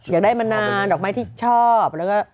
อยากได้มานานหรอกไม่ที่ชอบ